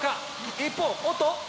一方おっと。